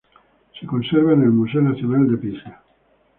Se conserva en el Museo Nacional de Pisa.